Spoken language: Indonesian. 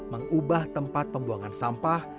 mengubah tempat pembuangan sampah